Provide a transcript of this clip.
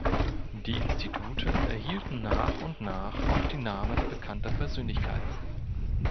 Die Institute erhielten nach und nach auch die Namen bekannter Persönlichkeiten